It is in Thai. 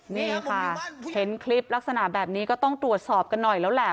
นี่ค่ะเห็นคลิปลักษณะแบบนี้ก็ต้องตรวจสอบกันหน่อยแล้วแหละ